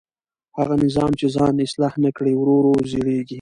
هغه نظام چې ځان اصلاح نه کړي ورو ورو زړېږي